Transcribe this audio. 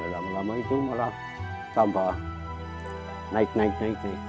lama lama itu malah tambah naik naik naik nih